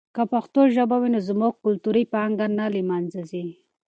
که پښتو ژبه وي نو زموږ کلتوري پانګه نه له منځه ځي.